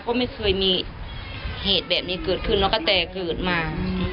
ก็ไม่เคยมีเหตุแบบนี้เกิดขึ้นแล้วก็แต่เกิดมา